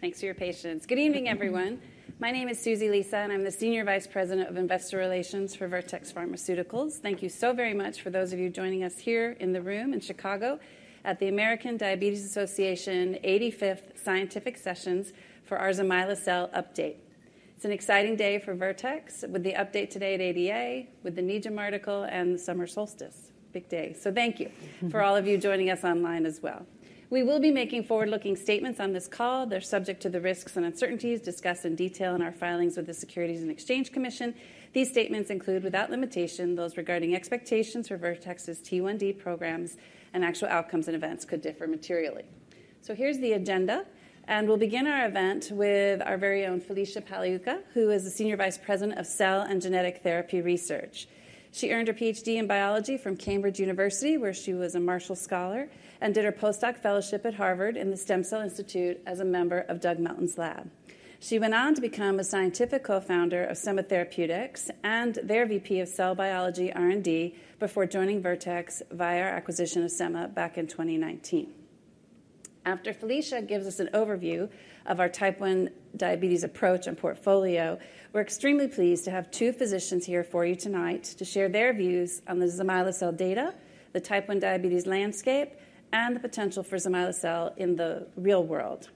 Thanks for your patience. Good evening, everyone. My name is Susie Lisa, and I'm the Senior Vice President of Investor Relations for Vertex Pharmaceuticals. Thank you so very much for those of you joining us here in the room in Chicago at the American Diabetes Association 85th Scientific Sessions for our zimislecel update. It's an exciting day for Vertex with the update today at ADA, with the NEJM article, and the summer solstice. Big day. Thank you for all of you joining us online as well. We will be making forward-looking statements on this call. They're subject to the risks and uncertainties discussed in detail in our filings with the Securities and Exchange Commission. These statements include, without limitation, those regarding expectations for Vertex's T1D programs and actual outcomes and events could differ materially. Here's the agenda. We will begin our event with our very own Felicia Pagliuca, who is the Senior Vice President of Cell and Genetic Therapy Research. She earned her PhD in Biology from Cambridge University, where she was a Marshall Scholar, and did her postdoc fellowship at Harvard in the Stem Cell Institute as a member of Doug Melton's lab. She went on to become a scientific co-founder of Semma Therapeutics and their VP of Cell Biology R&D before joining Vertex via acquisition of Semma back in 2019. After Felicia gives us an overview of our Type 1 diabetes approach and portfolio, we are extremely pleased to have two physicians here for you tonight to share their views on the zimislecel data, the Type 1 diabetes landscape, and the potential for zimislecel in the real world.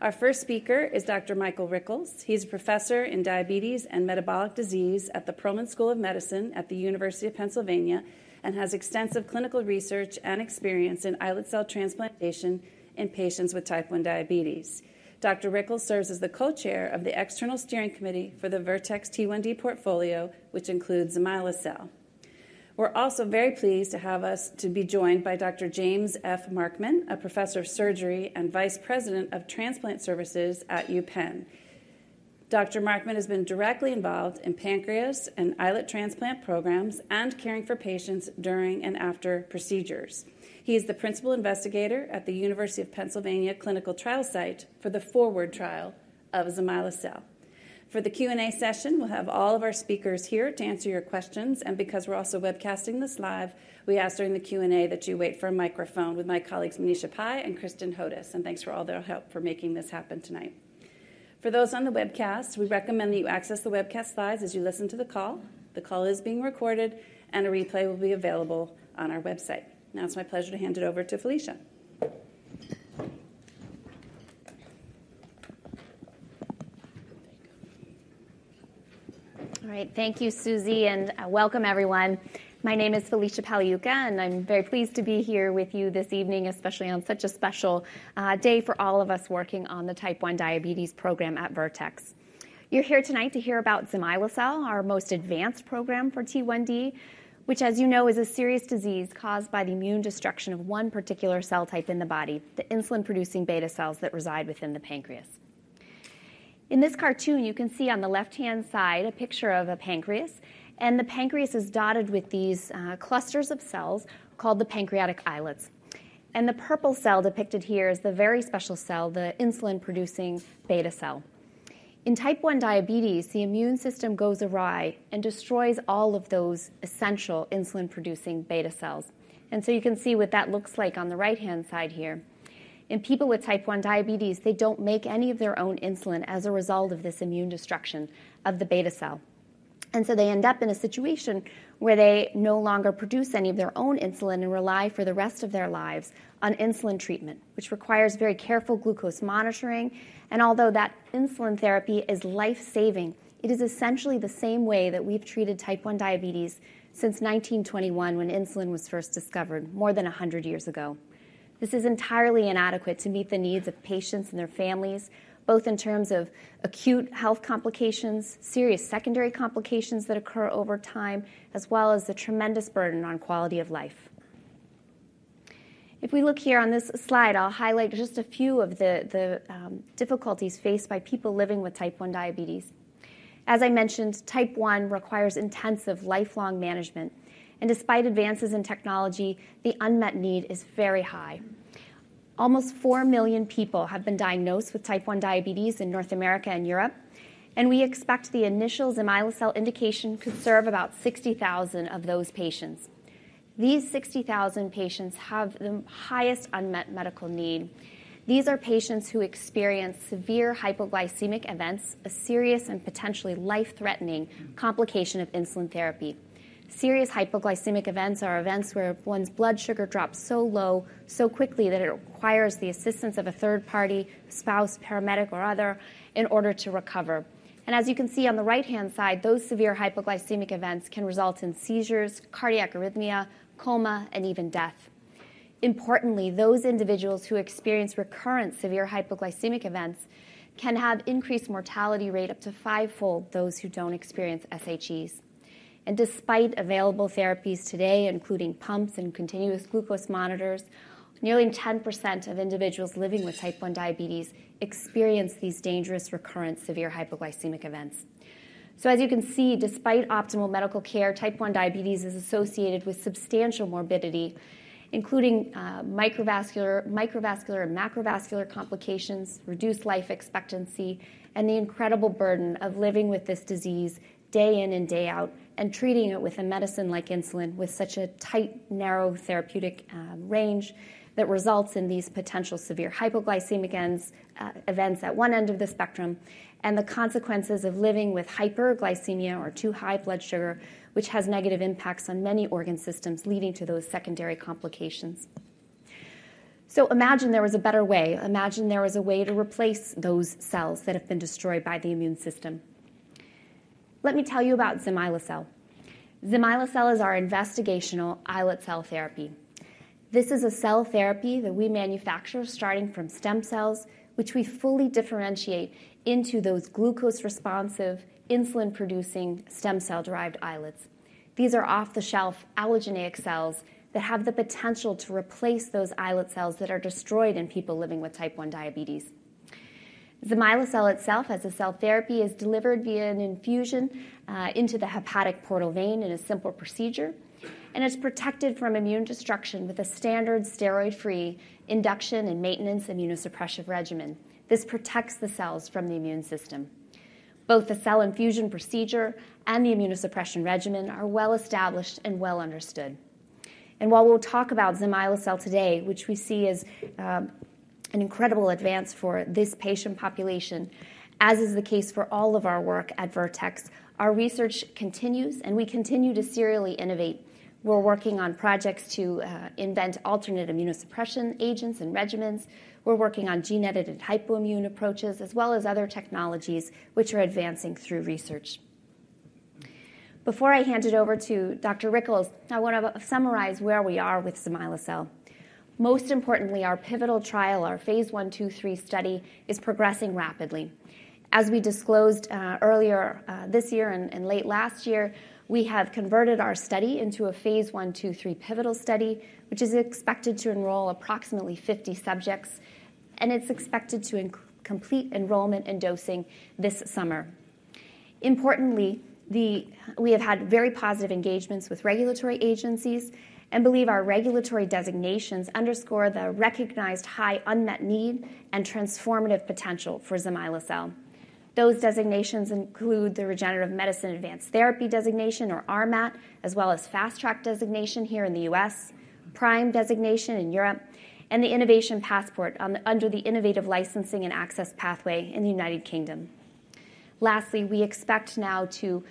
Our first speaker is Dr. Michael Rickels. He's a professor in diabetes and metabolic disease at the Perelman School of Medicine at the University of Pennsylvania and has extensive clinical research and experience in islet cell transplantation in patients with Type 1 diabetes. Dr. Rickels serves as the co-chair of the External Steering Committee for the Vertex T1D portfolio, which includes zimislecel. We're also very pleased to have us to be joined by Dr. James Markmann, a professor of surgery and vice president of transplant services at University of Pennsylvania. Dr. Markmann has been directly involved in pancreas and islet transplant programs and caring for patients during and after procedures. He is the principal investigator at the University of Pennsylvania clinical trial site for the forward trial of zimislecel. For the Q&A session, we'll have all of our speakers here to answer your questions. Because we're also webcasting this live, we ask during the Q&A that you wait for a microphone with my colleagues Manisha Pai and Kristin Hodes. Thanks for all their help for making this happen tonight. For those on the webcast, we recommend that you access the webcast slides as you listen to the call. The call is being recorded, and a replay will be available on our website. Now it's my pleasure to hand it over to Felicia. All right. Thank you, Susie, and welcome, everyone. My name is Felicia Pagliuca, and I'm very pleased to be here with you this evening, especially on such a special day for all of us working on the Type 1 diabetes program at Vertex. You're here tonight to hear about zimislecel, our most advanced program for T1D, which, as you know, is a serious disease caused by the immune destruction of one particular cell type in the body, the insulin-producing beta cells that reside within the pancreas. In this cartoon, you can see on the left-hand side a picture of a pancreas, and the pancreas is dotted with these clusters of cells called the pancreatic islets. The purple cell depicted here is the very special cell, the insulin-producing beta cell. In Type 1 diabetes, the immune system goes awry and destroys all of those essential insulin-producing beta cells. You can see what that looks like on the right-hand side here. In people with Type 1 diabetes, they do not make any of their own insulin as a result of this immune destruction of the beta cell. They end up in a situation where they no longer produce any of their own insulin and rely for the rest of their lives on insulin treatment, which requires very careful glucose monitoring. Although that insulin therapy is life-saving, it is essentially the same way that we have treated Type 1 diabetes since 1921, when insulin was first discovered more than 100 years ago. This is entirely inadequate to meet the needs of patients and their families, both in terms of acute health complications, serious secondary complications that occur over time, as well as the tremendous burden on quality of life. If we look here on this slide, I'll highlight just a few of the difficulties faced by people living with Type 1 diabetes. As I mentioned, Type 1 requires intensive lifelong management. Despite advances in technology, the unmet need is very high. Almost 4 million people have been diagnosed with Type 1 diabetes in North America and Europe. We expect the initial zimislecel indication could serve about 60,000 of those patients. These 60,000 patients have the highest unmet medical need. These are patients who experience severe hypoglycemic events, a serious and potentially life-threatening complication of insulin therapy. Serious hypoglycemic events are events where one's blood sugar drops so low, so quickly, that it requires the assistance of a third party, spouse, paramedic, or other in order to recover. As you can see on the right-hand side, those severe hypoglycemic events can result in seizures, cardiac arrhythmia, coma, and even death. Importantly, those individuals who experience recurrent severe hypoglycemic events can have an increased mortality rate up to fivefold those who do not experience SHEs. Despite available therapies today, including pumps and continuous glucose monitors, nearly 10% of individuals living with Type 1 diabetes experience these dangerous recurrent severe hypoglycemic events. As you can see, despite optimal medical care, Type 1 diabetes is associated with substantial morbidity, including microvascular and macrovascular complications, reduced life expectancy, and the incredible burden of living with this disease day in and day out and treating it with a medicine like insulin with such a tight, narrow therapeutic range that results in these potential severe hypoglycemic events at one end of the spectrum and the consequences of living with hyperglycemia or too high blood sugar, which has negative impacts on many organ systems leading to those secondary complications. Imagine there was a better way. Imagine there was a way to replace those cells that have been destroyed by the immune system. Let me tell you about zimislecel. Zimislecel is our investigational islet cell therapy. This is a cell therapy that we manufacture starting from stem cells, which we fully differentiate into those glucose-responsive, insulin-producing stem cell-derived islets. These are off-the-shelf allogeneic cells that have the potential to replace those islet cells that are destroyed in people living with Type 1 diabetes. Zimislecel itself, as a cell therapy, is delivered via an infusion into the hepatic portal vein in a simple procedure, and it's protected from immune destruction with a standard steroid-free induction and maintenance immunosuppressive regimen. This protects the cells from the immune system. Both the cell infusion procedure and the immunosuppression regimen are well established and well understood. While we'll talk about zimislecel today, which we see as an incredible advance for this patient population, as is the case for all of our work at Vertex, our research continues, and we continue to serially innovate. We're working on projects to invent alternate immunosuppression agents and regimens. We're working on gene-edited hypoimmune approaches, as well as other technologies which are advancing through research. Before I hand it over to Dr. Rickels, I want to summarize where we are with zimislecel. Most importantly, our pivotal trial, our Phase I, II, III study, is progressing rapidly. As we disclosed earlier this year and late last year, we have converted our study into a Phase I, II, III pivotal study, which is expected to enroll approximately 50 subjects, and it's expected to complete enrollment and dosing this summer. Importantly, we have had very positive engagements with regulatory agencies and believe our regulatory designations underscore the recognized high unmet need and transformative potential for zimislecel. Those designations include the Regenerative Medicine Advanced Therapy designation, or RMAT, as well as Fast Track designation here in the U.S., PRIME designation in Europe, and the Innovation Passport under the Innovative Licensing and Access Pathway in the United Kingdom. Lastly, we expect now to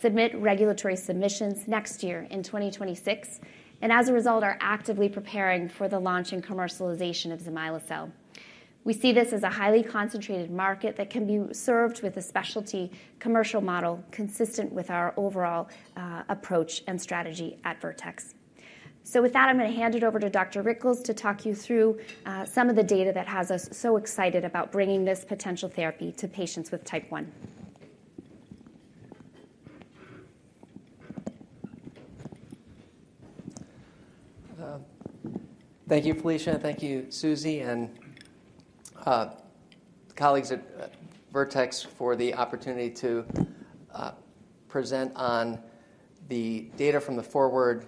submit regulatory submissions next year in 2026. As a result, we are actively preparing for the launch and commercialization of zimislecel. We see this as a highly concentrated market that can be served with a specialty commercial model consistent with our overall approach and strategy at Vertex. With that, I'm going to hand it over to Dr. Rickels to talk you through some of the data that has us so excited about bringing this potential therapy to patients with Type 1. Thank you, Felicia. Thank you, Susie, and colleagues at Vertex for the opportunity to present on the data from the Forward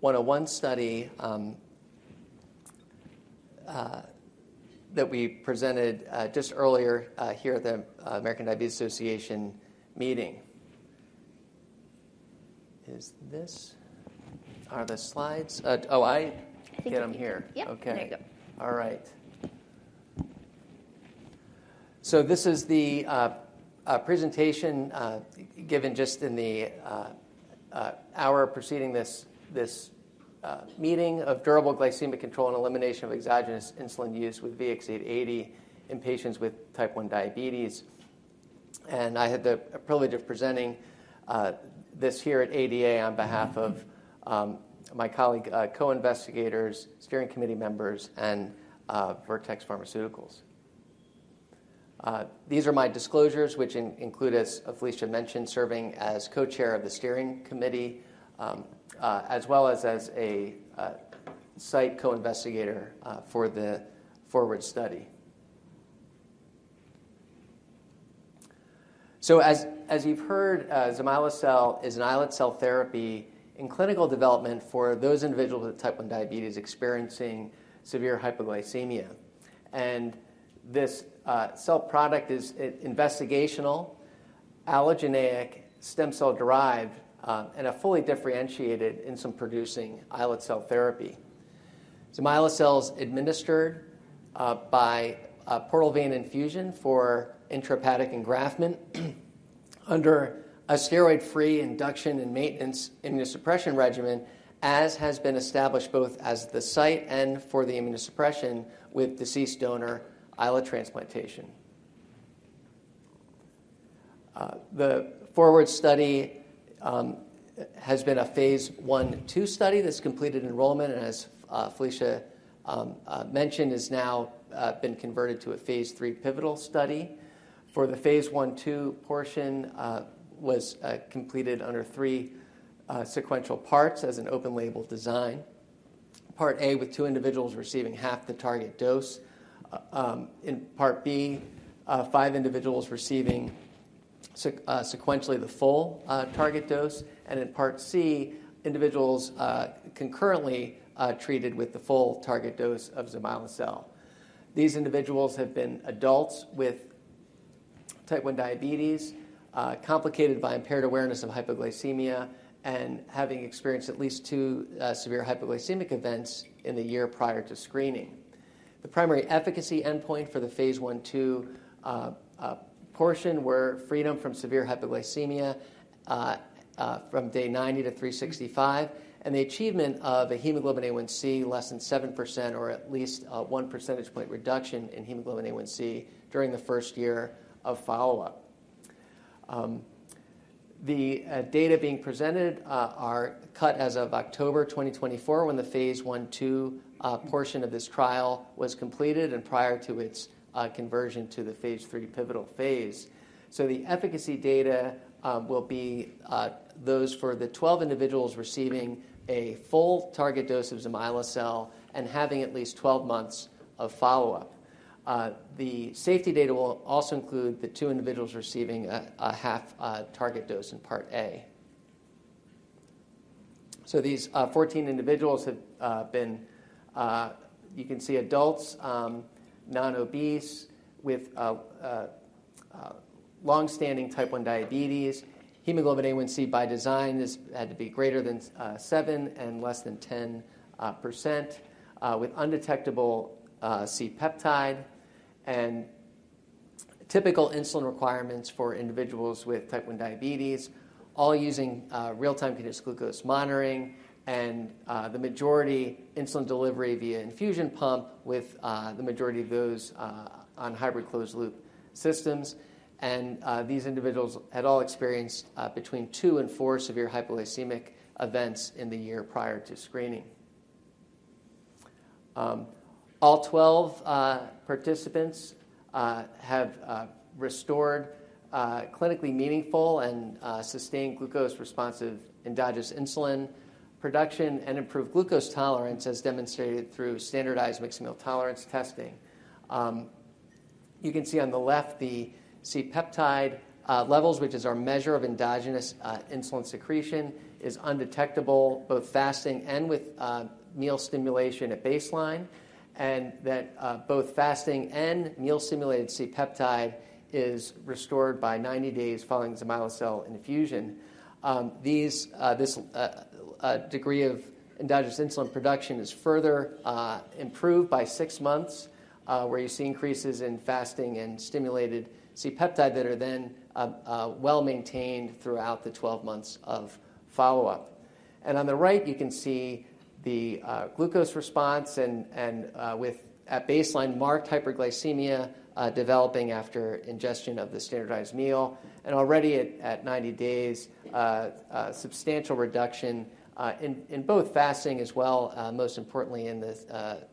101 study that we presented just earlier here at the American Diabetes Association meeting. Are the slides? Oh, I get them here. Yep. Okay. There you go. All right. This is the presentation given just in the hour preceding this meeting of durable glycemic control and elimination of exogenous insulin use with VX-880 in patients with Type 1 diabetes. I had the privilege of presenting this here at ADA on behalf of my colleague, co-investigators, steering committee members, and Vertex Pharmaceuticals. These are my disclosures, which include, as Felicia mentioned, serving as co-chair of the steering committee, as well as a site co-investigator for the Forward study. As you have heard, zimislecel is an islet cell therapy in clinical development for those individuals with Type 1 diabetes experiencing severe hypoglycemia. This cell product is investigational, allogeneic, stem cell-derived, and a fully differentiated insulin-producing islet cell therapy. Zimislecel is administered by portal vein infusion for intrahepatic engraftment under a steroid-free induction and maintenance immunosuppression regimen, as has been established both as the site and for the immunosuppression with deceased donor islet transplantation. The Forward Study has been a Phase I, II study that's completed enrollment. As Felicia mentioned, it has now been converted to a Phase III pivotal study. For the Phase I, II portion, it was completed under three sequential parts as an open-label design. Part A, with two individuals receiving half the target dose. In Part B, five individuals receiving sequentially the full target dose. In Part C, individuals concurrently treated with the full target dose of zimislecel. These individuals have been adults with Type 1 diabetes complicated by impaired awareness of hypoglycemia and having experienced at least two severe hypoglycemic events in the year prior to screening. The primary efficacy endpoint for the Phase I, II portion was freedom from severe hypoglycemia from day 90 to 365 and the achievement of a hemoglobin A1c less than 7% or at least a 1 percentage point reduction in hemoglobin A1c during the first year of follow-up. The data being presented are cut as of October 2024, when the Phase I, II portion of this trial was completed and prior to its conversion to the Phase III pivotal Phase. The efficacy data will be those for the 12 individuals receiving a full target dose of zimislecel and having at least 12 months of follow-up. The safety data will also include the two individuals receiving a half target dose in part A. These 14 individuals have been, you can see, adults, non-obese, with longstanding Type 1 diabetes. Hemoglobin A1c by design had to be greater than 7% and less than 10%, with undetectable C-peptide and typical insulin requirements for individuals with Type 1 diabetes, all using real-time continuous glucose monitoring and the majority insulin delivery via infusion pump, with the majority of those on hybrid closed-loop systems. These individuals had all experienced between two and four severe hypoglycemic events in the year prior to screening. All 12 participants have restored clinically meaningful and sustained glucose-responsive endogenous insulin production and improved glucose tolerance, as demonstrated through standardized mixed meal tolerance testing. You can see on the left the C-peptide levels, which is our measure of endogenous insulin secretion, is undetectable both fasting and with meal stimulation at baseline, and that both fasting and meal-stimulated C-peptide is restored by 90 days following zimislecel infusion. This degree of endogenous insulin production is further improved by six months, where you see increases in fasting and stimulated C-peptide that are then well maintained throughout the 12 months of follow-up. On the right, you can see the glucose response, and with at baseline marked hyperglycemia developing after ingestion of the standardized meal. Already at 90 days, substantial reduction in both fasting as well, most importantly in the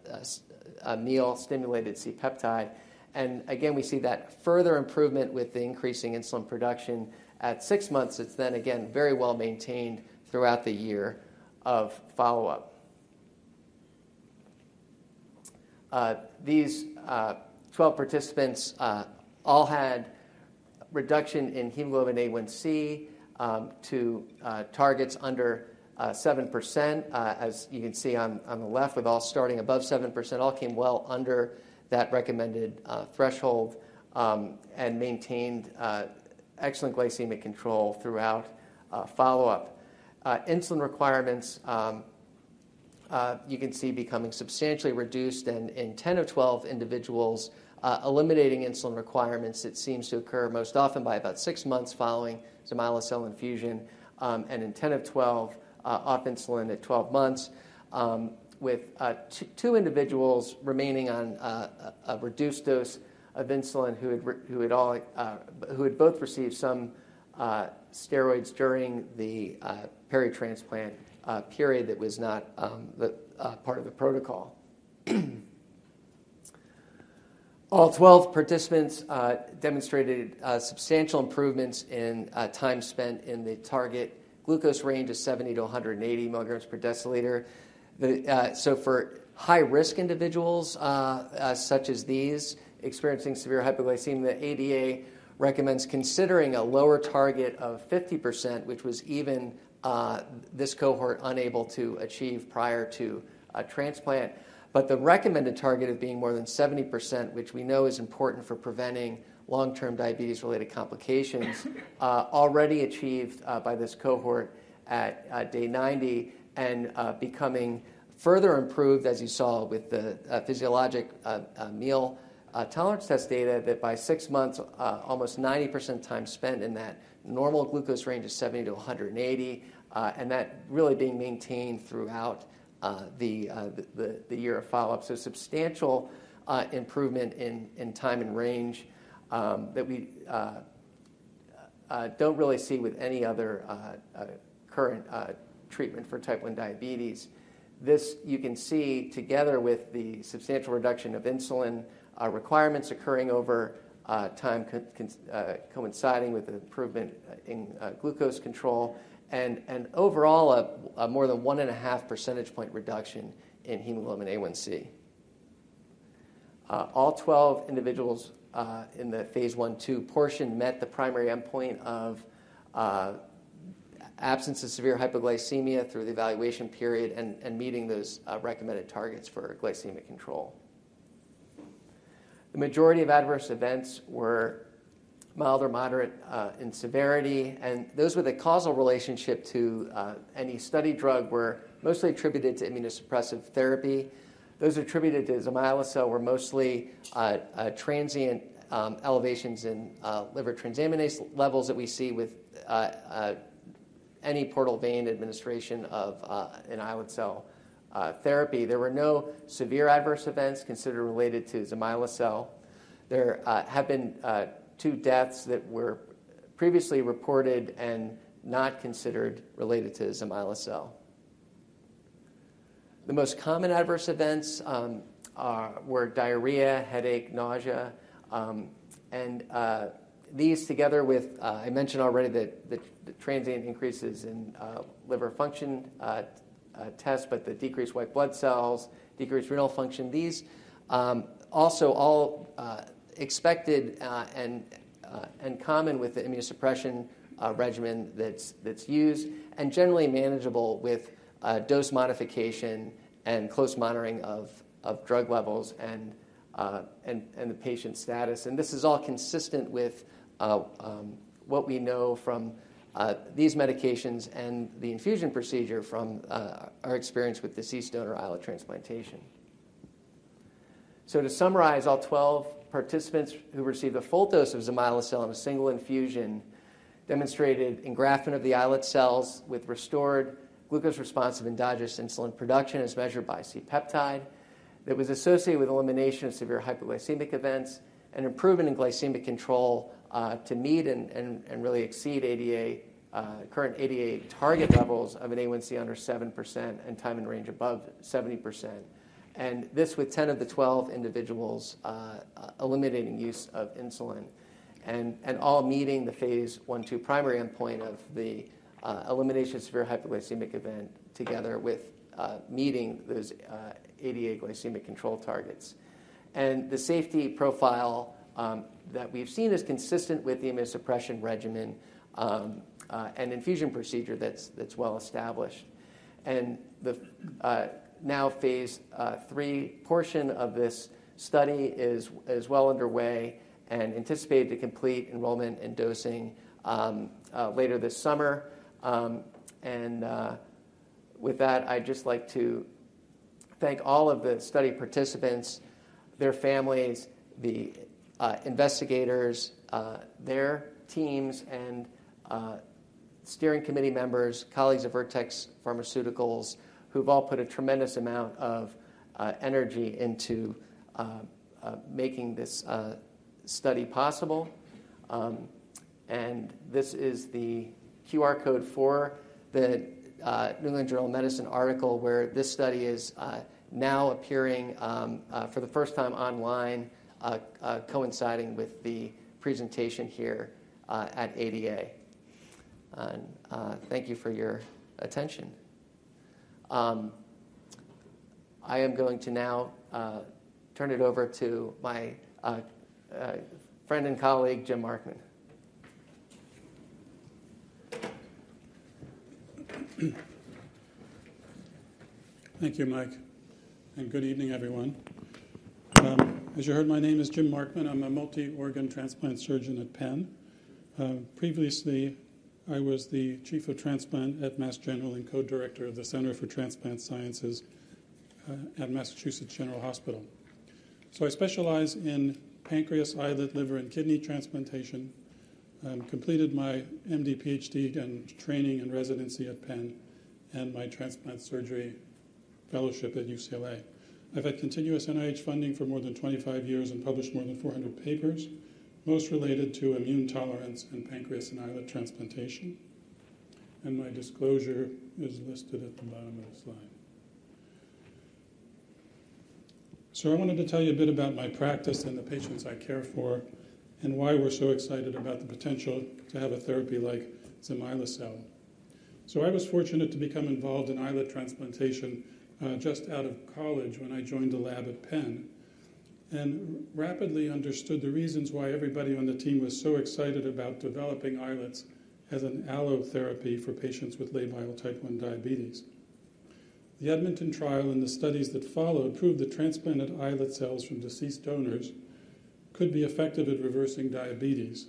meal-stimulated C-peptide. Again, we see that further improvement with the increasing insulin production at six months. It is then again very well maintained throughout the year of follow-up. These 12 participants all had reduction in hemoglobin A1C to targets under 7%, as you can see on the left, with all starting above 7%. All came well under that recommended threshold and maintained excellent glycemic control throughout follow-up. Insulin requirements, you can see, becoming substantially reduced in 10 of 12 individuals eliminating insulin requirements. It seems to occur most often by about six months following zimislecel infusion and in 10 of 12 off insulin at 12 months, with two individuals remaining on a reduced dose of insulin who had both received some steroids during the peritransplant period that was not part of the protocol. All 12 participants demonstrated substantial improvements in time spent in the target glucose range of 70-180 milligrams per deciliter. For high-risk individuals such as these experiencing severe hypoglycemia, the ADA recommends considering a lower target of 50%, which was even this cohort unable to achieve prior to transplant. The recommended target of being more than 70%, which we know is important for preventing long-term diabetes-related complications, was already achieved by this cohort at day 90 and became further improved, as you saw with the physiologic meal tolerance test data, that by six months, almost 90% time spent in that normal glucose range of 70-180, and that really being maintained throughout the year of follow-up. Substantial improvement in time in range that we do not really see with any other current treatment for Type 1 diabetes. This, you can see together with the substantial reduction of insulin requirements occurring over time coinciding with the improvement in glucose control and overall a more than one and a half percentage point reduction in hemoglobin A1c. All 12 individuals in the Phase I, II portion met the primary endpoint of absence of severe hypoglycemia through the evaluation period and meeting those recommended targets for glycemic control. The majority of adverse events were mild or moderate in severity. Those with a causal relationship to any study drug were mostly attributed to immunosuppressive therapy. Those attributed to zimislecel were mostly transient elevations in liver transaminase levels that we see with any portal vein administration of an islet cell therapy. There were no severe adverse events considered related to zimislecel. There have been two deaths that were previously reported and not considered related to zimislecel. The most common adverse events were diarrhea, headache, nausea. These together with, I mentioned already, the transient increases in liver function tests, but the decreased white blood cells, decreased renal function. These also all expected and common with the immunosuppression regimen that's used and generally manageable with dose modification and close monitoring of drug levels and the patient's status. This is all consistent with what we know from these medications and the infusion procedure from our experience with deceased donor islet transplantation. To summarize, all 12 participants who received a full dose of zimislecel in a single infusion demonstrated engraftment of the islet cells with restored glucose-responsive endogenous insulin production as measured by C-peptide that was associated with elimination of severe hypoglycemic events and improvement in glycemic control to meet and really exceed current ADA target levels of an A1C under 7% and time in range above 70%. This with 10 of the 12 individuals eliminating use of insulin and all meeting the Phase I/II primary endpoint of the elimination of severe hypoglycemic event together with meeting those ADA glycemic control targets. The safety profile that we've seen is consistent with the immunosuppression regimen and infusion procedure that's well established. The now Phase III portion of this study is well underway and anticipated to complete enrollment and dosing later this summer. With that, I'd just like to thank all of the study participants, their families, the investigators, their teams, and steering committee members, colleagues at Vertex Pharmaceuticals, who've all put a tremendous amount of energy into making this study possible. This is the QR code for the New England Journal of Medicine article where this study is now appearing for the first time online, coinciding with the presentation here at ADA. Thank you for your attention. I am going to now turn it over to my friend and colleague, James Markmann. Thank you, Mike. Good evening, everyone. As you heard, my name is James Markmann. I'm a multi-organ transplant surgeon at Penn. Previously, I was the Chief of Transplant at Massachusetts General and Co-Director of the Center for Transplant Sciences at Massachusetts General Hospital. I specialize in pancreas, islet, liver, and kidney transplantation. I completed my MD, PhD, and training and residency at Penn and my transplant surgery fellowship at UCLA. I've had continuous NIH funding for more than 25 years and published more than 400 papers, most related to immune tolerance and pancreas and islet transplantation. My disclosure is listed at the bottom of the slide. I wanted to tell you a bit about my practice and the patients I care for and why we're so excited about the potential to have a therapy like zimislecel. I was fortunate to become involved in islet transplantation just out of college when I joined a lab at Penn and rapidly understood the reasons why everybody on the team was so excited about developing islets as an allotherapy for patients with labile Type 1 diabetes. The Edmonton trial and the studies that followed proved that transplanted islet cells from deceased donors could be effective at reversing diabetes.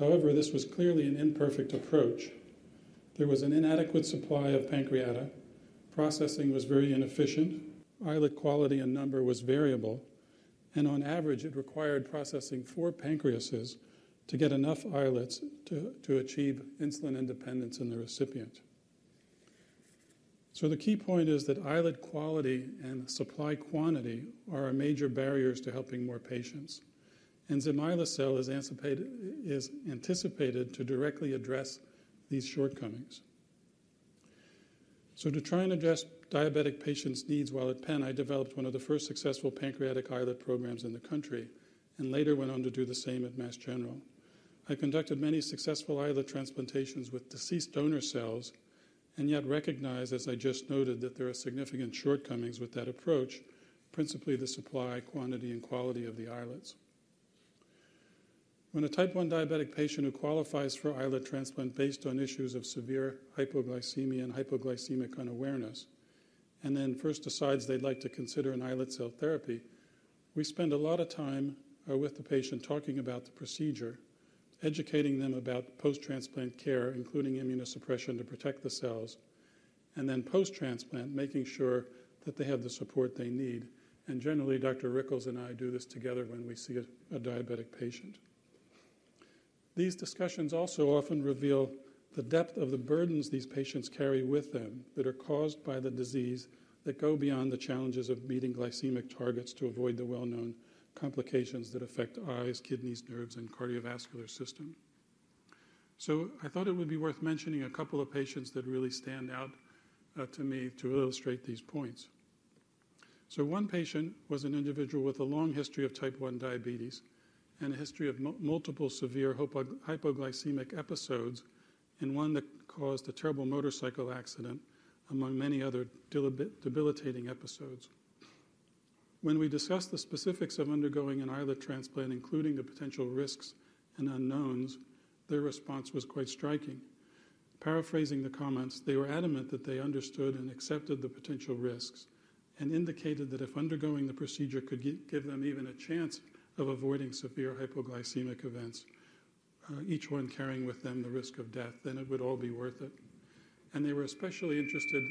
However, this was clearly an imperfect approach. There was an inadequate supply of pancreata. Processing was very inefficient. Islet quality and number was variable. On average, it required processing four pancreases to get enough islets to achieve insulin independence in the recipient. The key point is that islet quality and supply quantity are major barriers to helping more patients. Zimislecel is anticipated to directly address these shortcomings. To try and address diabetic patients' needs while at Penn, I developed one of the first successful pancreatic islet programs in the country and later went on to do the same at Mass General. I conducted many successful islet transplantations with deceased donor cells and yet recognized, as I just noted, that there are significant shortcomings with that approach, principally the supply, quantity, and quality of the islets. When a Type 1 diabetic patient who qualifies for islet transplant based on issues of severe hypoglycemia and hypoglycemic unawareness and then first decides they'd like to consider an islet cell therapy, we spend a lot of time with the patient talking about the procedure, educating them about post-transplant care, including immunosuppression to protect the cells, and then post-transplant, making sure that they have the support they need. Generally, Dr. Rickels and I do this together when we see a diabetic patient. These discussions also often reveal the depth of the burdens these patients carry with them that are caused by the disease that go beyond the challenges of meeting glycemic targets to avoid the well-known complications that affect eyes, kidneys, nerves, and cardiovascular system. I thought it would be worth mentioning a couple of patients that really stand out to me to illustrate these points. One patient was an individual with a long history of Type 1 diabetes and a history of multiple severe hypoglycemic episodes and one that caused a terrible motorcycle accident, among many other debilitating episodes. When we discussed the specifics of undergoing an islet transplant, including the potential risks and unknowns, their response was quite striking. Paraphrasing the comments, they were adamant that they understood and accepted the potential risks and indicated that if undergoing the procedure could give them even a chance of avoiding severe hypoglycemic events, each one carrying with them the risk of death, it would all be worth it. They were especially interested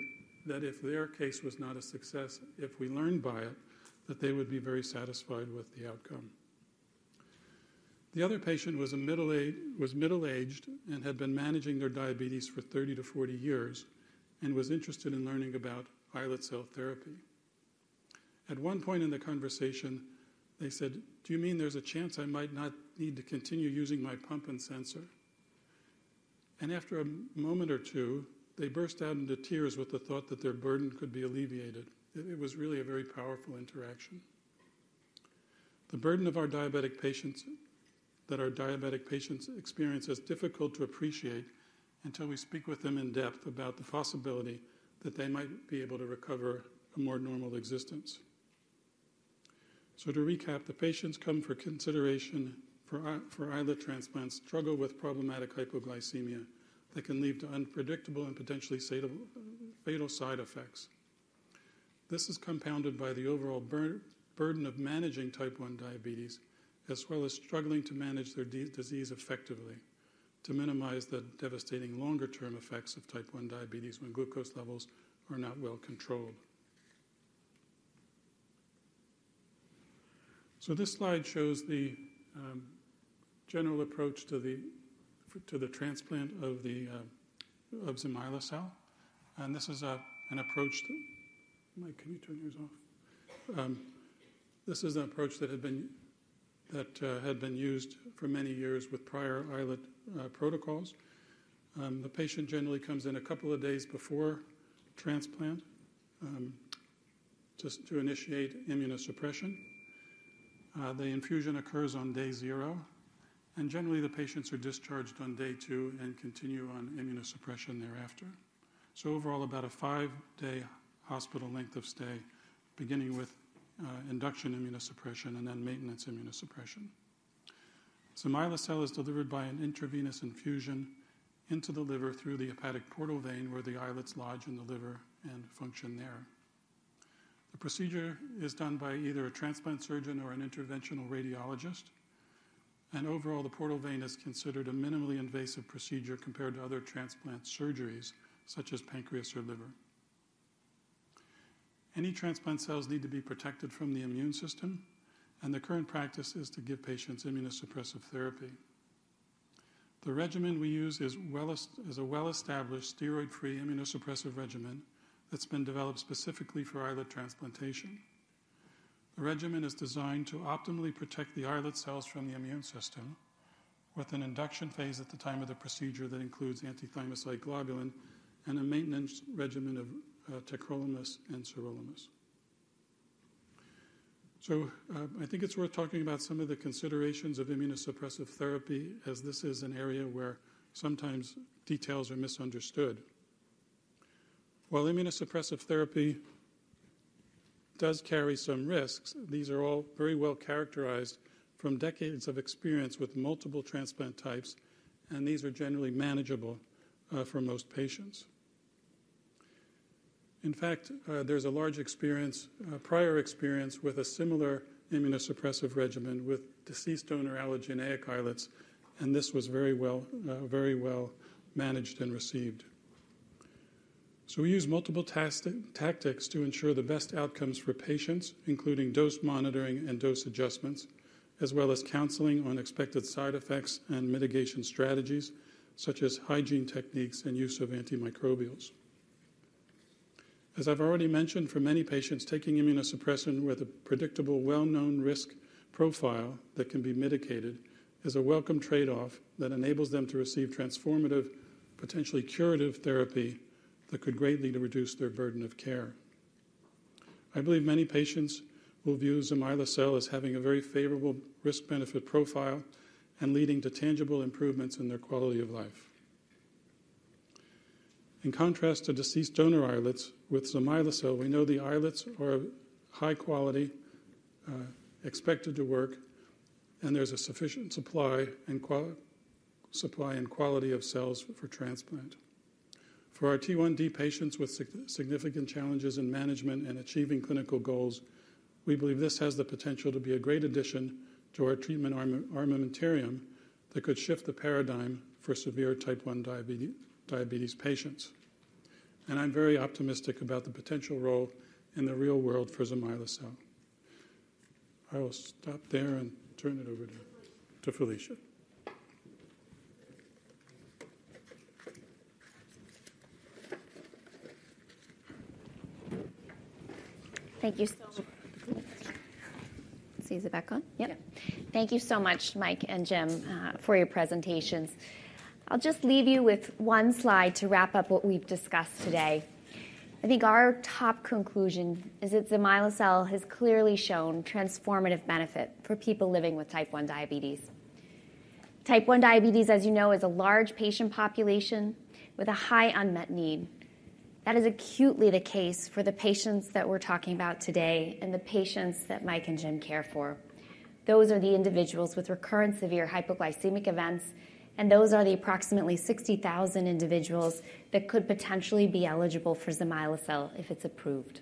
that if their case was not a success, if we learned by it, they would be very satisfied with the outcome. The other patient was middle-aged and had been managing their diabetes for 30 to 40 years and was interested in learning about islet cell therapy. At one point in the conversation, they said, "Do you mean there's a chance I might not need to continue using my pump and sensor?" After a moment or two, they burst out into tears with the thought that their burden could be alleviated. It was really a very powerful interaction. The burden that our diabetic patients experience is difficult to appreciate until we speak with them in depth about the possibility that they might be able to recover a more normal existence. To recap, the patients come for consideration for islet transplants, struggle with problematic hypoglycemia that can lead to unpredictable and potentially fatal side effects. This is compounded by the overall burden of managing Type 1 diabetes as well as struggling to manage their disease effectively to minimize the devastating longer-term effects of Type 1 diabetes when glucose levels are not well controlled. This slide shows the general approach to the transplant of zimislecel. This is an approach that, Mike, can you turn yours off? This is an approach that had been used for many years with prior islet protocols. The patient generally comes in a couple of days before transplant to initiate immunosuppression. The infusion occurs on day zero. Generally, the patients are discharged on day two and continue on immunosuppression thereafter. Overall, about a five-day hospital length of stay, beginning with induction immunosuppression and then maintenance immunosuppression. Zimislecel is delivered by an intravenous infusion into the liver through the hepatic portal vein where the islets lodge in the liver and function there. The procedure is done by either a transplant surgeon or an interventional radiologist. Overall, the portal vein is considered a minimally invasive procedure compared to other transplant surgeries, such as pancreas or liver. Any transplant cells need to be protected from the immune system. The current practice is to give patients immunosuppressive therapy. The regimen we use is a well-established steroid-free immunosuppressive regimen that has been developed specifically for islet transplantation. The regimen is designed to optimally protect the islet cells from the immune system with an induction Phase at the time of the procedure that includes anti-thymocyte globulin and a maintenance regimen of tacrolimus and sirolimus. I think it's worth talking about some of the considerations of immunosuppressive therapy, as this is an area where sometimes details are misunderstood. While immunosuppressive therapy does carry some risks, these are all very well characterized from decades of experience with multiple transplant types. These are generally manageable for most patients. In fact, there's a large prior experience with a similar immunosuppressive regimen with deceased donor islet genetic islets. This was very well managed and received. We use multiple tactics to ensure the best outcomes for patients, including dose monitoring and dose adjustments, as well as counseling on expected side effects and mitigation strategies, such as hygiene techniques and use of antimicrobials. As I've already mentioned, for many patients taking immunosuppression with a predictable well-known risk profile that can be mitigated is a welcome trade-off that enables them to receive transformative, potentially curative therapy that could greatly reduce their burden of care. I believe many patients will view zimislecel as having a very favorable risk-benefit profile and leading to tangible improvements in their quality of life. In contrast to deceased donor islets, with zimislecel, we know the islets are high quality, expected to work, and there is a sufficient supply and quality of cells for transplant. For our T1D patients with significant challenges in management and achieving clinical goals, we believe this has the potential to be a great addition to our treatment armamentarium that could shift the paradigm for severe Type 1 diabetes patients. I am very optimistic about the potential role in the real world for zimislecel. I will stop there and turn it over to Felicia. Thank you so much. Is the back on? Yep. Thank you so much, Mike and Jim, for your presentations. I'll just leave you with one slide to wrap up what we've discussed today. I think our top conclusion is that zimislecel has clearly shown transformative benefit for people living with Type 1 diabetes. Type 1 diabetes, as you know, is a large patient population with a high unmet need. That is acutely the case for the patients that we're talking about today and the patients that Mike and Jim care for. Those are the individuals with recurrent severe hypoglycemic events. Those are the approximately 60,000 individuals that could potentially be eligible for zimislecel if it's approved.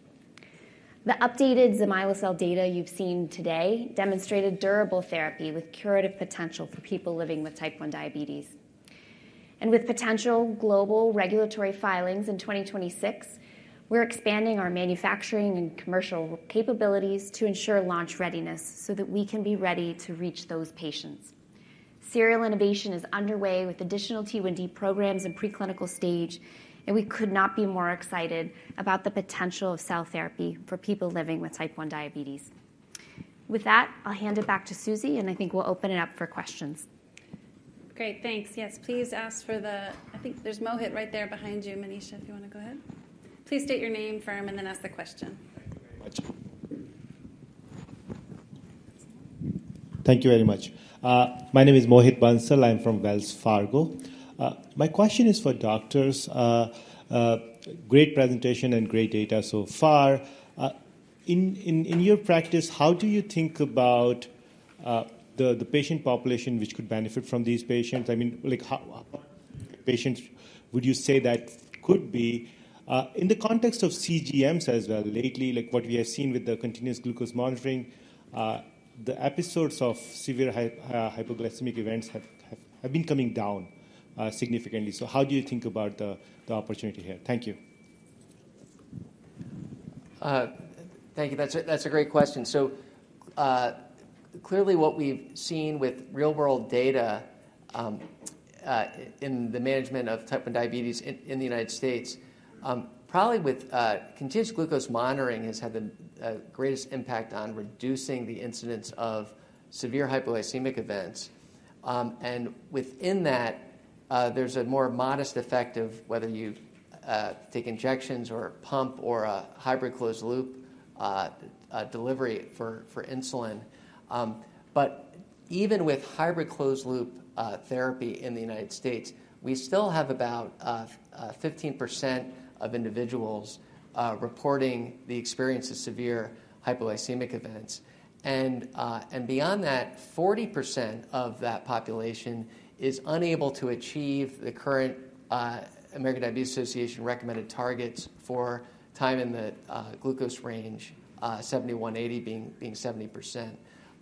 The updated zimislecel data you've seen today demonstrated durable therapy with curative potential for people living with Type 1 diabetes. With potential global regulatory filings in 2026, we're expanding our manufacturing and commercial capabilities to ensure launch readiness so that we can be ready to reach those patients. Serial innovation is underway with additional T1D programs in preclinical stage. We could not be more excited about the potential of cell therapy for people living with Type 1 diabetes. With that, I'll hand it back to Susie. I think we'll open it up for questions. Great. Thanks. Yes, please ask for the I think there's Mohit right there behind you, Manisha, if you want to go ahead. Please state your name, firm, and then ask the question. Thank you very much. Thank you very much. My name is Mohit Bansal. I'm from Wells Fargo. My question is for doctors. Great presentation and great data so far. In your practice, how do you think about the patient population which could benefit from these patients? I mean, how many patients would you say that could be? In the context of CGMs as well lately, what we have seen with the continuous glucose monitoring, the episodes of severe hypoglycemic events have been coming down significantly. How do you think about the opportunity here? Thank you. Thank you. That's a great question. Clearly, what we've seen with real-world data in the management of Type 1 diabetes in the U.S., probably with continuous glucose monitoring, has had the greatest impact on reducing the incidence of severe hypoglycemic events. Within that, there's a more modest effect of whether you take injections or pump or a hybrid closed-loop delivery for insulin. Even with hybrid closed-loop therapy in the U.S., we still have about 15% of individuals reporting the experience of severe hypoglycemic events. Beyond that, 40% of that population is unable to achieve the current American Diabetes Association recommended targets for time in the glucose range, 71-80 being 70%.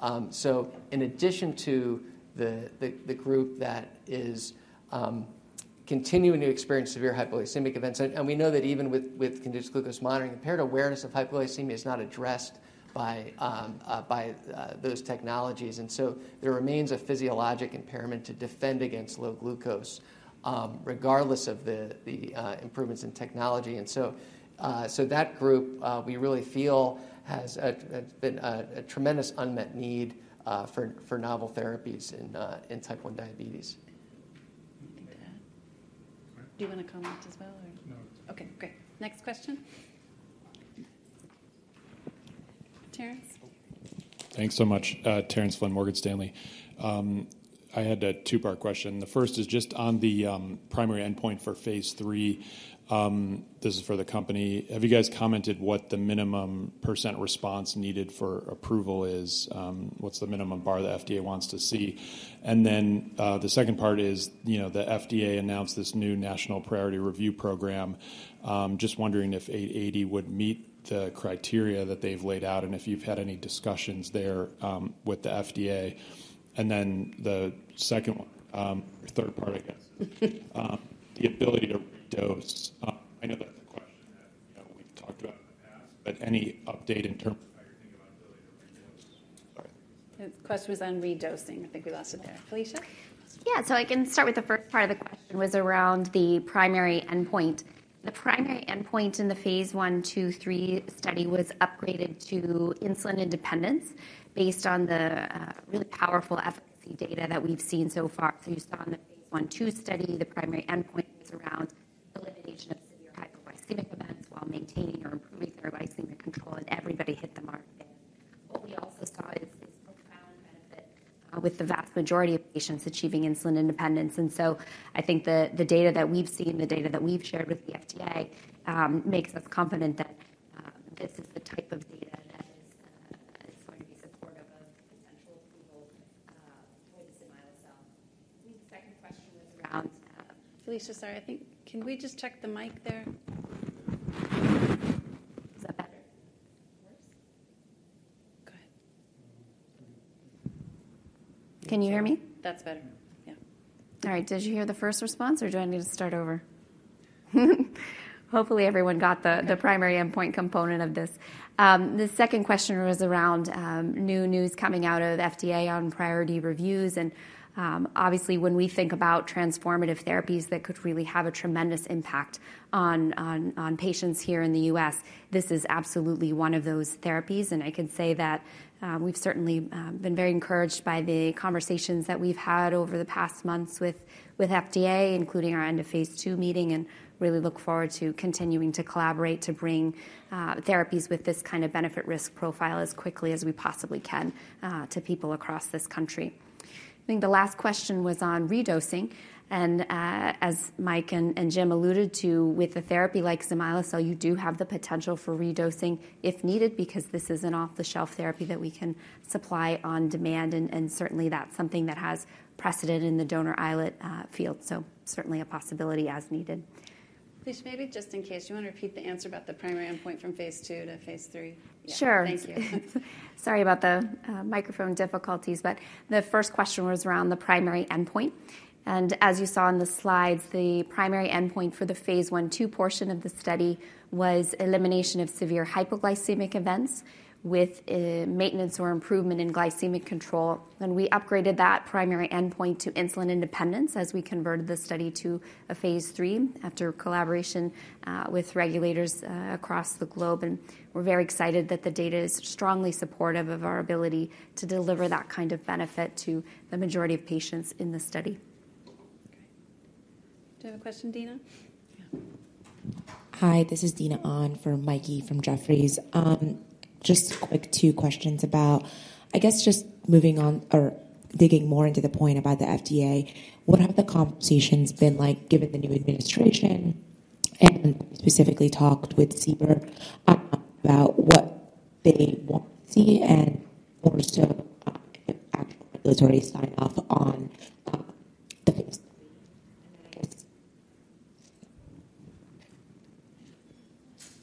In addition to the group that is continuing to experience severe hypoglycemic events, we know that even with continuous glucose monitoring, impaired awareness of hypoglycemia is not addressed by those technologies. There remains a physiologic impairment to defend against low glucose, regardless of the improvements in technology. That group, we really feel, has been a tremendous unmet need for novel therapies in Type 1 diabetes. Do you want to comment as well? No. Okay. Great. Next question. Terrence? Thanks so much. Terrence Flynn, Morgan Stanley. I had a two-part question. The first is just on the primary endpoint for Phase three. This is for the company. Have you guys commented what the minimum % response needed for approval is? What's the minimum bar the FDA wants to see? The second part is the FDA announced this new national priority review program. Just wondering if 880 would meet the criteria that they've laid out and if you've had any discussions there with the FDA. The second or third part, I guess, the ability to redose. I know that's a question that we've talked about in the past, but any update in terms of how you're thinking about the ability to redose? Sorry. The question was on redosing. I think we lost it there. Felicia? Yeah. I can start with the first part of the question was around the primary endpoint. The primary endpoint in the Phase one, two, three study was upgraded to insulin independence based on the really powerful efficacy data that we've seen so far. You saw in the Phase one, two study, the primary endpoint was around elimination of severe hypoglycemic events while maintaining or improving their glycemic control. Everybody hit the mark there. What we also saw is profound benefit with the vast majority of patients achieving insulin independence. I think the data that we've seen, the data that we've shared with the FDA, makes us confident that this is the type of data that is going to be supportive of potential approval for the zimislecel. I think the second question was around. Felicia, sorry. I think can we just check the mic there? Is that better or worse? Go ahead. Can you hear me? That's better. Yeah. All right. Did you hear the first response, or do I need to start over? Hopefully, everyone got the primary endpoint component of this. The second question was around new news coming out of the FDA on priority reviews. Obviously, when we think about transformative therapies that could really have a tremendous impact on patients here in the U.S., this is absolutely one of those therapies. I can say that we've certainly been very encouraged by the conversations that we've had over the past months with FDA, including our end of Phase two meeting, and really look forward to continuing to collaborate to bring therapies with this kind of benefit-risk profile as quickly as we possibly can to people across this country. I think the last question was on redosing. As Mike and Jim alluded to, with a therapy like zimislecel, you do have the potential for redosing if needed because this is an off-the-shelf therapy that we can supply on demand. Certainly, that is something that has precedent in the donor islet field. Certainly a possibility as needed. Felicia, maybe just in case, do you want to repeat the answer about the primary endpoint from Phase two to Phase three? Sure. Sorry about the microphone difficulties. The first question was around the primary endpoint. As you saw in the slides, the primary endpoint for the Phase one, two portion of the study was elimination of severe hypoglycemic events with maintenance or improvement in glycemic control. We upgraded that primary endpoint to insulin independence as we converted the study to a Phase three after collaboration with regulators across the globe. We are very excited that the data is strongly supportive of our ability to deliver that kind of benefit to the majority of patients in the study. Do you have a question, Dina? Hi. This is Dina Ahn for Mikey from Jefferies. Just quick two questions about, I guess, just moving on or digging more into the point about the FDA. What have the conversations been like given the new administration? Specifically, talked with CBER about what they want to see and more so actual regulatory sign-off on the Phase three. Okay.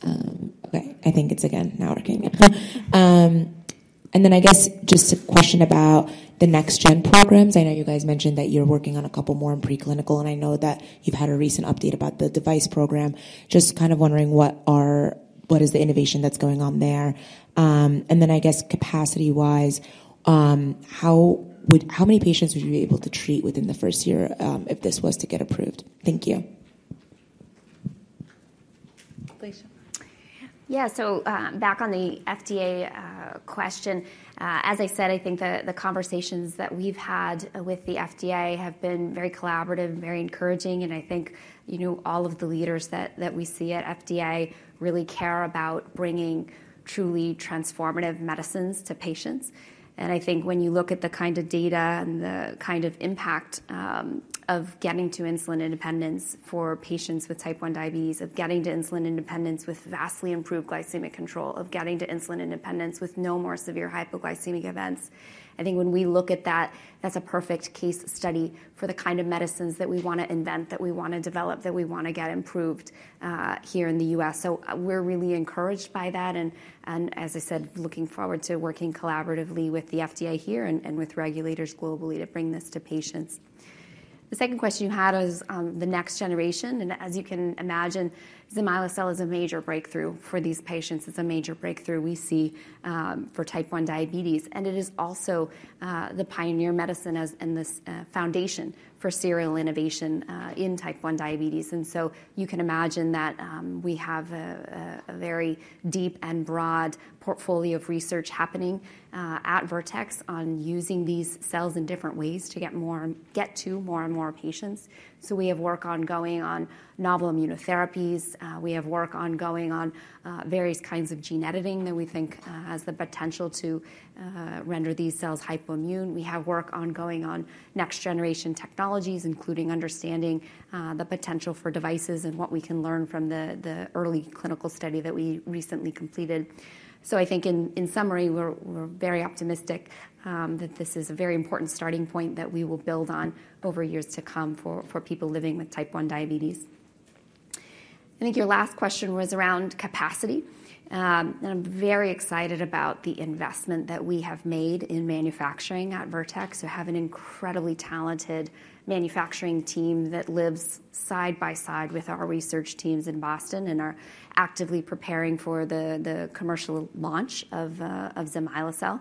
I think it's again now working. I guess just a question about the next-gen programs. I know you guys mentioned that you're working on a couple more in preclinical. I know that you've had a recent update about the device program. Just kind of wondering what is the innovation that's going on there. I guess capacity-wise, how many patients would you be able to treat within the first year if this was to get approved? Thank you. Felicia. Yeah. Back on the FDA question. As I said, I think the conversations that we've had with the FDA have been very collaborative, very encouraging. I think all of the leaders that we see at FDA really care about bringing truly transformative medicines to patients. I think when you look at the kind of data and the kind of impact of getting to insulin independence for patients with Type 1 diabetes, of getting to insulin independence with vastly improved glycemic control, of getting to insulin independence with no more severe hypoglycemic events, I think when we look at that, that's a perfect case study for the kind of medicines that we want to invent, that we want to develop, that we want to get approved here in the U.S. We are really encouraged by that. As I said, looking forward to working collaboratively with the FDA here and with regulators globally to bring this to patients. The second question you had was the next generation. As you can imagine, zimislecel is a major breakthrough for these patients. It's a major breakthrough we see for Type 1 diabetes. It is also the pioneer medicine and the foundation for serial innovation in Type 1 diabetes. You can imagine that we have a very deep and broad portfolio of research happening at Vertex on using these cells in different ways to get to more and more patients. We have work ongoing on novel immunotherapies. We have work ongoing on various kinds of gene editing that we think has the potential to render these cells hypoimmune. We have work ongoing on next-generation technologies, including understanding the potential for devices and what we can learn from the early clinical study that we recently completed. I think in summary, we're very optimistic that this is a very important starting point that we will build on over years to come for people living with Type 1 diabetes. I think your last question was around capacity. I am very excited about the investment that we have made in manufacturing at Vertex. We have an incredibly talented manufacturing team that lives side by side with our research teams in Boston and are actively preparing for the commercial launch of zimislecel.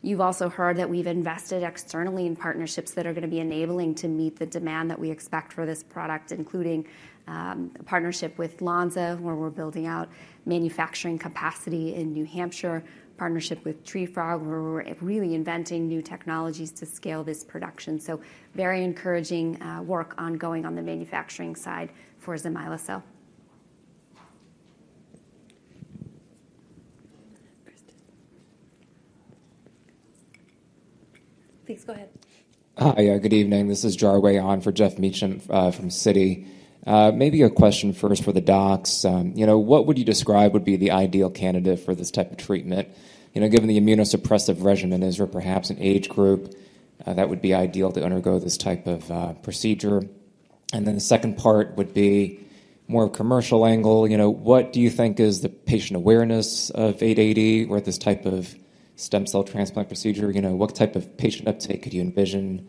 You've also heard that we've invested externally in partnerships that are going to be enabling to meet the demand that we expect for this product, including a partnership with Lonza, where we're building out manufacturing capacity in New Hampshire, partnership with TreeFrog, where we're really inventing new technologies to scale this production. Very encouraging work ongoing on the manufacturing side for zimislecel. Thanks. Go ahead. Hi. Good evening. This is Jarway Ahn for Geoff Meacham from CITI. Maybe a question first for the docs. What would you describe would be the ideal candidate for this type of treatment? Given the immunosuppressive regimen, is there perhaps an age group that would be ideal to undergo this type of procedure? The second part would be more of a commercial angle. What do you think is the patient awareness of 880 with this type of stem cell transplant procedure? What type of patient uptake could you envision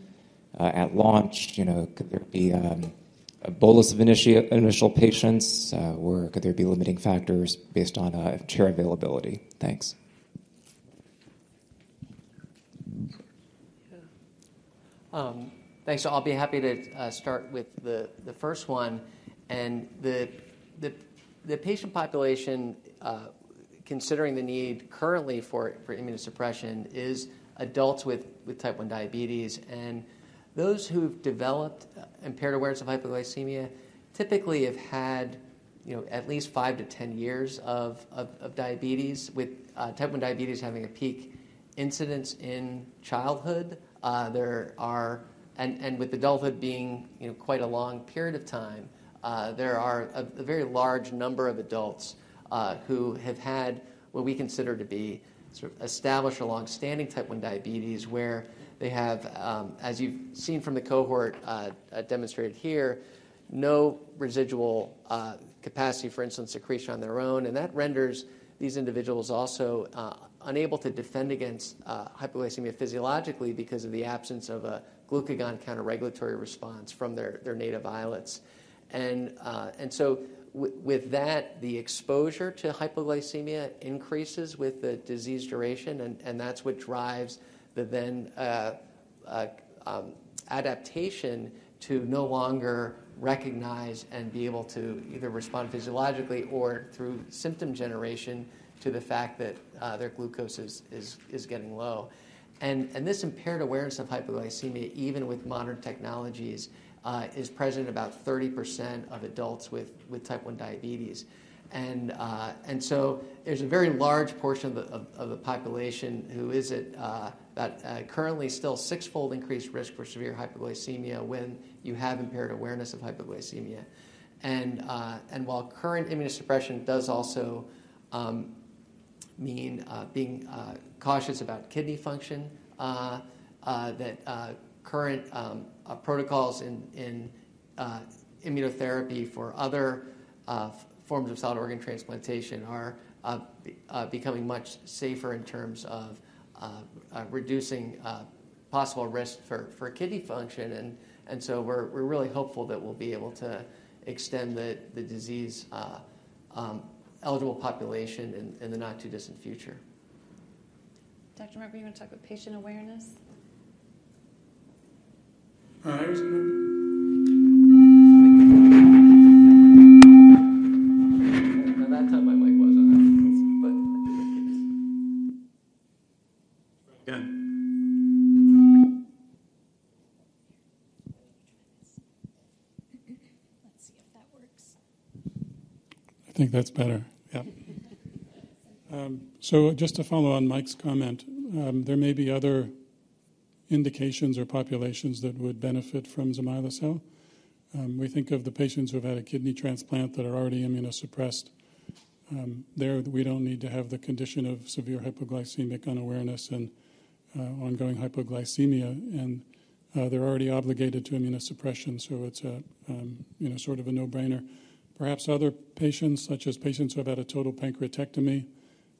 at launch? Could there be a bolus of initial patients, or could there be limiting factors based on chair availability? Thanks. Thanks. I'll be happy to start with the first one. The patient population, considering the need currently for immunosuppression, is adults with Type 1 diabetes. Those who've developed impaired awareness of hypoglycemia typically have had at least 5-10 years of diabetes, with Type 1 diabetes having a peak incidence in childhood. With adulthood being quite a long period of time, there are a very large number of adults who have had what we consider to be established or longstanding Type 1 diabetes, where they have, as you've seen from the cohort demonstrated here, no residual capacity for insulin secretion on their own. That renders these individuals also unable to defend against hypoglycemia physiologically because of the absence of a glucagon counter-regulatory response from their native islets. With that, the exposure to hypoglycemia increases with the disease duration. That is what drives the then adaptation to no longer recognize and be able to either respond physiologically or through symptom generation to the fact that their glucose is getting low. This impaired awareness of hypoglycemia, even with modern technologies, is present in about 30% of adults with Type 1 diabetes. There is a very large portion of the population who is at about currently still six-fold increased risk for severe hypoglycemia when you have impaired awareness of hypoglycemia. While current immunosuppression does also mean being cautious about kidney function, current protocols in immunotherapy for other forms of solid organ transplantation are becoming much safer in terms of reducing possible risk for kidney function. We are really hopeful that we will be able to extend the disease eligible population in the not-too-distant future. Dr. Merker, you want to talk about patient awareness? I think that's better. Yeah. Just to follow on Mike's comment, there may be other indications or populations that would benefit from zimislecel. We think of the patients who have had a kidney transplant that are already immunosuppressed. There, we do not need to have the condition of severe hypoglycemic unawareness and ongoing hypoglycemia. They are already obligated to immunosuppression. It is sort of a no-brainer. Perhaps other patients, such as patients who have had a total pancreatectomy,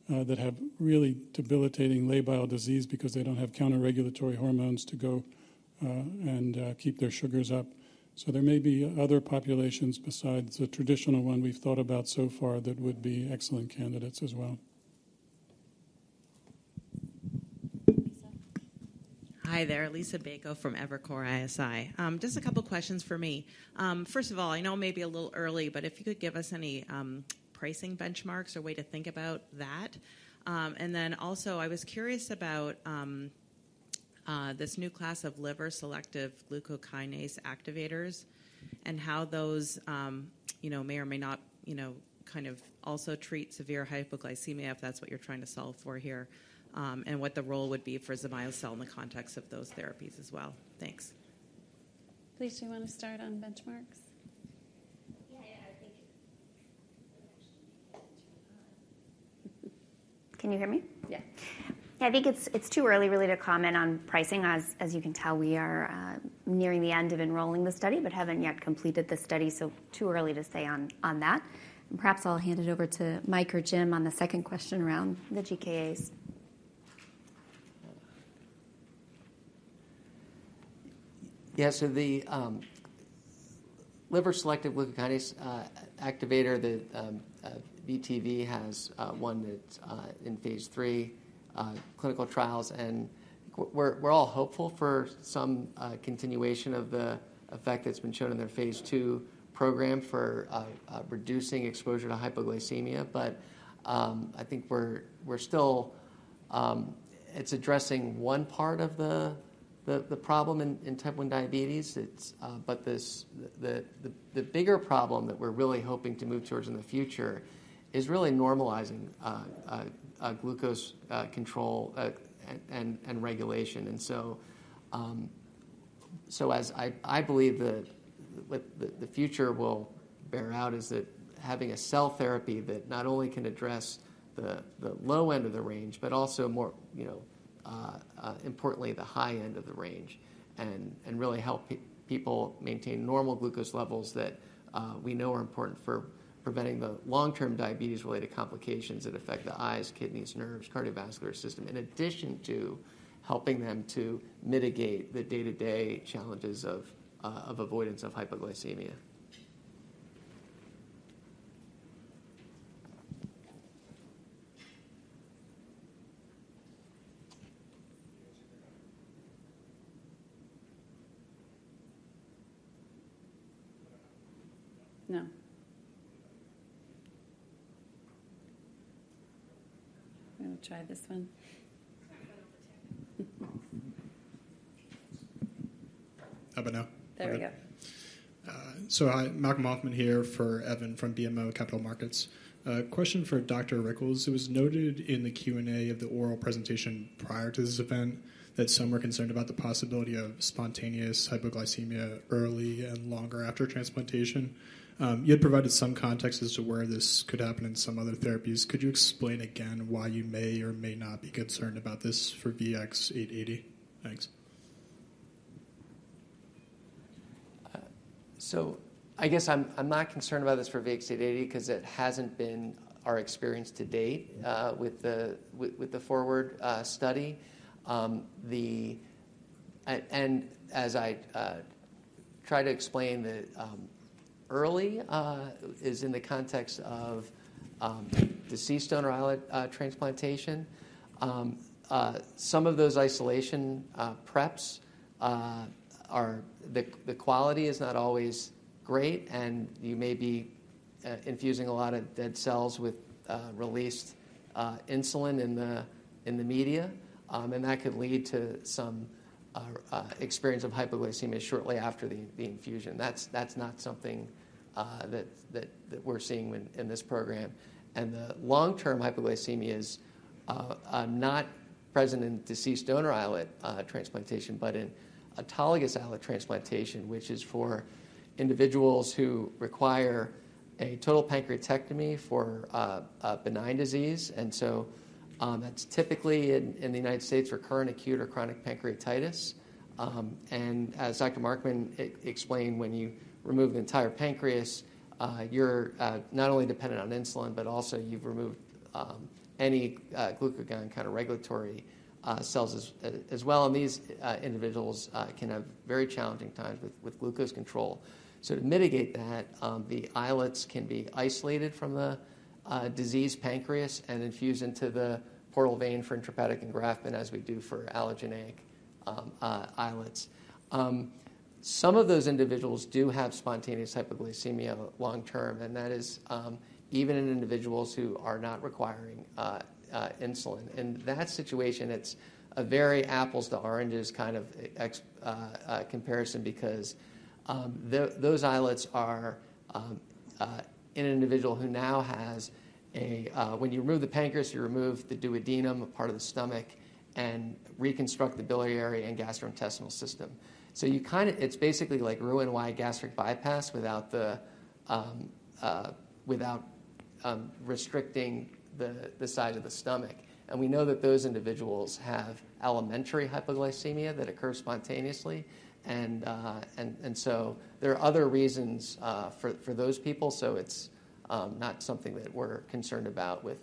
that have really debilitating labile disease because they do not have counter-regulatory hormones to go and keep their sugars up. There may be other populations besides the traditional one we have thought about so far that would be excellent candidates as well. Hi there. Lisa Bako from Evercore ISI. Just a couple of questions for me. First of all, I know maybe a little early, but if you could give us any pricing benchmarks or way to think about that. I was curious about this new class of liver selective glucokinase activators and how those may or may not kind of also treat severe hypoglycemia, if that's what you're trying to solve for here, and what the role would be for zimislecel in the context of those therapies as well. Thanks. Felicia, do you want to start on benchmarks? Yeah. I think. Can you hear me? Yeah. I think it's too early really to comment on pricing. As you can tell, we are nearing the end of enrolling the study but haven't yet completed the study. Too early to say on that. Perhaps I'll hand it over to Mike or Jim on the second question around the GKAs. Yeah. The liver selective glucokinase activator, the VTV, has one that's in Phase three clinical trials. We're all hopeful for some continuation of the effect that's been shown in their Phase two program for reducing exposure to hypoglycemia. I think it's addressing one part of the problem in Type 1 diabetes. The bigger problem that we're really hoping to move towards in the future is really normalizing glucose control and regulation. I believe that what the future will bear out is having a cell therapy that not only can address the low end of the range, but also, more importantly, the high end of the range, and really help people maintain normal glucose levels that we know are important for preventing the long-term diabetes-related complications that affect the eyes, kidneys, nerves, cardiovascular system, in addition to helping them to mitigate the day-to-day challenges of avoidance of hypoglycemia. No. We're going to try this one. How about now. There we go. Hi. Malcolm Hoffman here for Evan from BMO Capital Markets. Question for Dr. Rickels. It was noted in the Q&A of the oral presentation prior to this event that some were concerned about the possibility of spontaneous hypoglycemia early and longer after transplantation. You had provided some context as to where this could happen in some other therapies. Could you explain again why you may or may not be concerned about this for VX-880? Thanks. I guess I'm not concerned about this for VX-880 because it hasn't been our experience to date with the forward study. As I try to explain, the early is in the context of deceased donor islet transplantation. Some of those isolation preps, the quality is not always great. You may be infusing a lot of dead cells with released insulin in the media. That could lead to some experience of hypoglycemia shortly after the infusion. That's not something that we're seeing in this program. The long-term hypoglycemia is not present in deceased donor islet transplantation, but in autologous islet transplantation, which is for individuals who require a total pancreatectomy for benign disease. That's typically in the United States for current acute or chronic pancreatitis. As Dr. Markmann explained, when you remove the entire pancreas, you're not only dependent on insulin, but also you've removed any glucagon counter-regulatory cells as well. These individuals can have very challenging times with glucose control. To mitigate that, the islets can be isolated from the diseased pancreas and infused into the portal vein for intrahepatic engraftment, as we do for allogeneic islets. Some of those individuals do have spontaneous hypoglycemia long-term. That is even in individuals who are not requiring insulin. In that situation, it's a very apples-to-oranges kind of comparison because those islets are in an individual who now has a, when you remove the pancreas, you remove the duodenum, a part of the stomach, and reconstruct the biliary and gastrointestinal system. It's basically like Roux-en-Y gastric bypass without restricting the size of the stomach. We know that those individuals have elementary hypoglycemia that occurs spontaneously. There are other reasons for those people. It is not something that we are concerned about with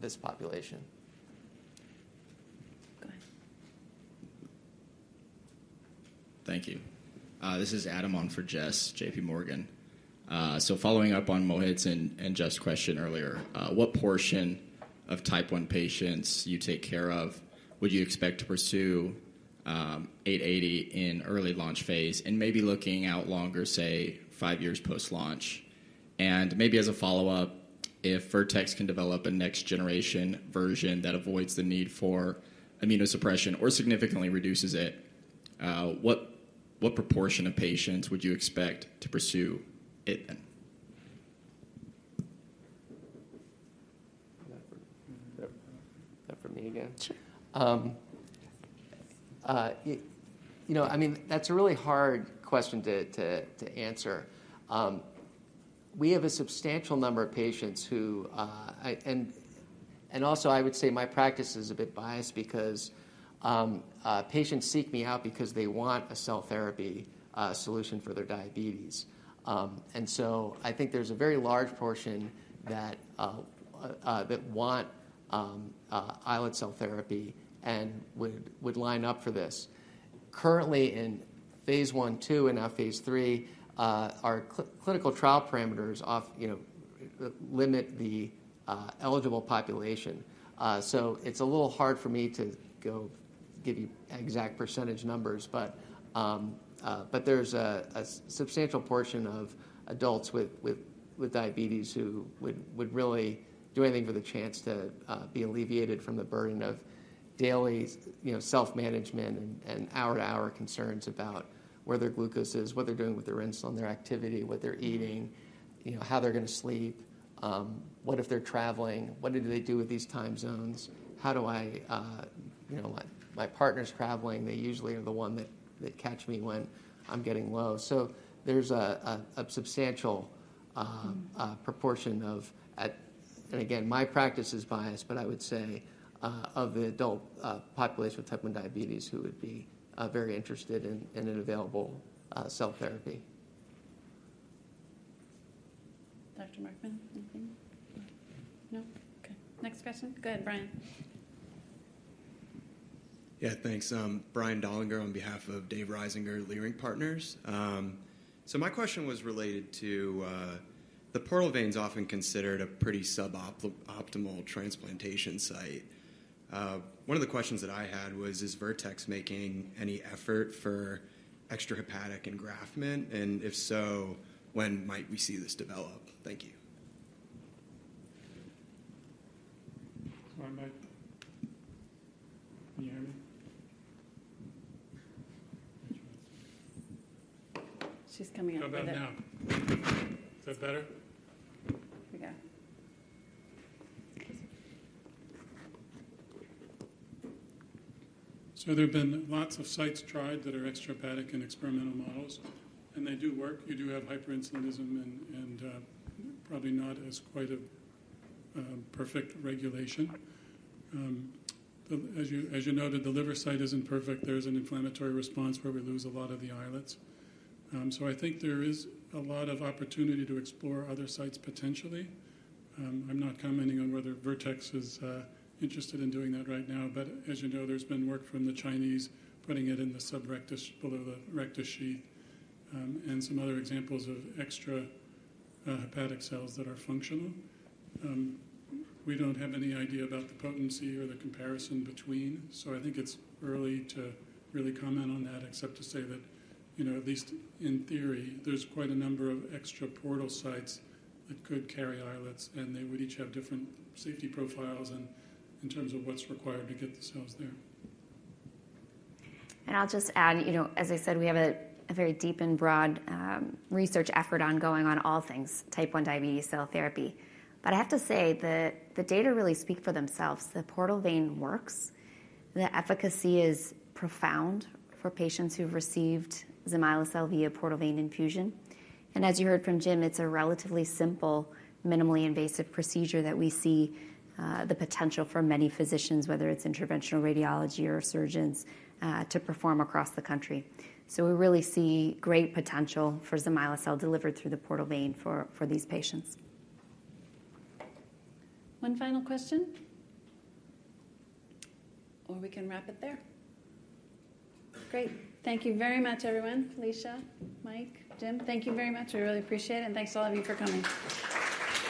this population. Thank you. This is Adam on for Jess, JP Morgan. Following up on Mohit's and Jess' question earlier, what portion of Type 1 patients you take care of would you expect to pursue 880 in early launch Phase and maybe looking out longer, say, five years post-launch? Maybe as a follow-up, if Vertex can develop a next-generation version that avoids the need for immunosuppression or significantly reduces it, what proportion of patients would you expect to pursue it then? Is that for me again? Sure. I mean, that's a really hard question to answer. We have a substantial number of patients who, and also, I would say my practice is a bit biased because patients seek me out because they want a cell therapy solution for their diabetes. I think there's a very large portion that want islet cell therapy and would line up for this. Currently, in Phase one, two, and now Phase three, our clinical trial parameters limit the eligible population. It's a little hard for me to go give you exact percentage numbers. There's a substantial portion of adults with diabetes who would really do anything for the chance to be alleviated from the burden of daily self-management and hour-to-hour concerns about where their glucose is, what they're doing with their insulin, their activity, what they're eating, how they're going to sleep, what if they're traveling, what do they do with these time zones, how do I, my partner's traveling. They usually are the one that catch me when I'm getting low. There's a substantial proportion of, and again, my practice is biased, but I would say of the adult population with Type 1 diabetes who would be very interested in an available cell therapy. Dr. Markmann, anything? No? Okay. Next question. Go ahead, Brian. Yeah. Thanks. Brian Dollinger on behalf of Dave Reisinger, Leering Partners. My question was related to the portal vein is often considered a pretty suboptimal transplantation site. One of the questions that I had was, is Vertex making any effort for extrahepatic engraftment? If so, when might we see this develop? Thank you. Sorry, Mike. Can you hear me? She's coming up. Go ahead now. Is that better? Here we go. There have been lots of sites tried that are extrahepatic in experimental models. They do work. You do have hyperinsulinism and probably not as quite a perfect regulation. As you noted, the liver site is not perfect. There is an inflammatory response where we lose a lot of the islets. I think there is a lot of opportunity to explore other sites potentially. I'm not commenting on whether Vertex is interested in doing that right now. As you know, there has been work from the Chinese putting it in the sub-rectus below the rectus sheath and some other examples of extrahepatic cells that are functional. We do not have any idea about the potency or the comparison between. I think it is early to really comment on that, except to say that at least in theory, there is quite a number of extra portal sites that could carry islets. They would each have different safety profiles in terms of what's required to get the cells there. I will just add, as I said, we have a very deep and broad research effort ongoing on all things Type 1 diabetes cell therapy. I have to say, the data really speak for themselves. The portal vein works. The efficacy is profound for patients who have received zimislecel via portal vein infusion. As you heard from Jim, it is a relatively simple, minimally invasive procedure that we see the potential for many physicians, whether it is interventional radiology or surgeons, to perform across the country. We really see great potential for zimislecel delivered through the portal vein for these patients. One final question, or we can wrap it there. Great. Thank you very much, everyone. Felicia, Mike, Jim. Thank you very much. We really appreciate it. And thanks to all of you for coming.